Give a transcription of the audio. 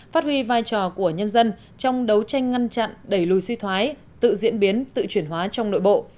phát huy vai trò của nhân dân trong đấu tranh ngăn chặn đẩy lùi suy thoái tự diễn biến tự chuyển hóa trong nội bộ